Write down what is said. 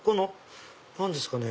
何ですかね